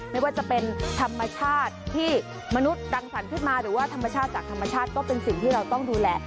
ไม่ว่าจะเป็นธรรมชาติที่มนุษย์รังสรรค์ขึ้นมาหรือว่าธรรมชาติจากธรรมชาติก็เป็นสิ่งที่เราต้องดูแล